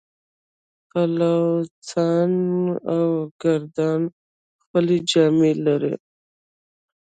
بلوڅان او کردان خپلې جامې لري.